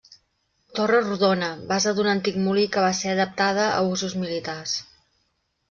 Torre rodona, base d'un antic molí que va ser adaptada a usos militars.